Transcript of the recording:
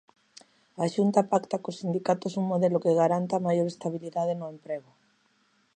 A Xunta pacta cos sindicatos un modelo que garanta maior estabilidade no emprego.